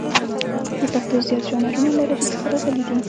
د پښتو زیات ژانرونه له عربي څخه راغلي دي.